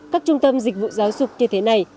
các trung tâm dịch vụ giáo dục như thế này